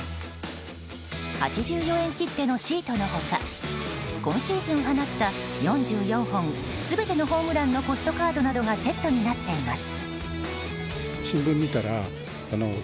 ８４円切手のシートの他今シーズン放った４４本、全てのホームランのポストカードなどがセットになっています。